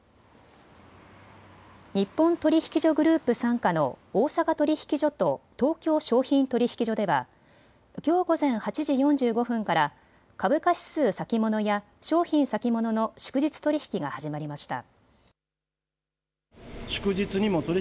日本取引所グループ傘下の大阪取引所と東京商品取引所ではきょう午前８時４５分から株価指数先物や商品先物の祝日取引が始まりました。